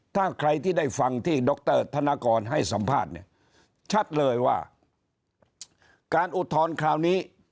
ถ้าใครที่ได้ฟังที่ดรธนกรให้สัมภาษณ์เนี่ยชัดเลยว่าการอุทธรณ์คราวนี้